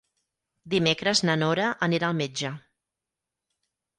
Dimecres na Nora anirà al metge.